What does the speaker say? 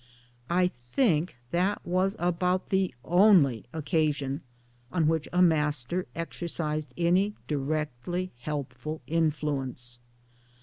I think that was about the only occasion on which 1 a master exercised any directly helpful influence.